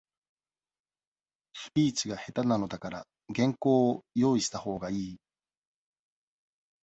スピーチが下手なのだから、原稿を、用意したほうがいい。